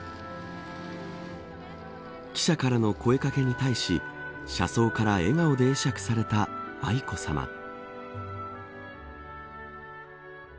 記者からの声掛けに対し車窓から笑顔で会釈された愛子さま。